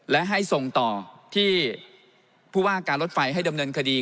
และให้ส่งต่อที่ผู้ว่าการรถไฟให้ดำเนินคดี